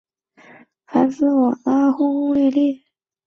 诗中以死了的丈夫的视点去追忆和妻子的一段热烈的爱情。